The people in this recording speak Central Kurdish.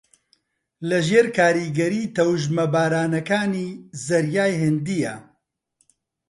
لەژێر کاریگەری تەوژمە بارانەکانی زەریای ھیندییە